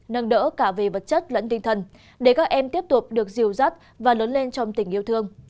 nâng đỡ cả về vật chất lẫn tinh thần để các em tiếp tục được dìu dắt và lớn lên trong tình yêu thương